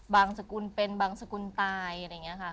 สกุลเป็นบางสกุลตายอะไรอย่างนี้ค่ะ